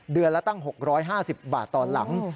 เดือนละตั้ง๖๕๐บาทต่อหลัง